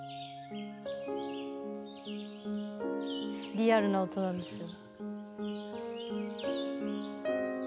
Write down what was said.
リアルな音なんですよ。